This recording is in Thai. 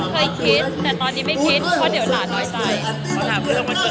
เคยคิดแต่ตอนนี้ไม่คิดเพราะเดี๋ยวหลานน้อยใจ